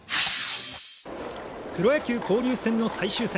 プロ野球交流戦の最終戦。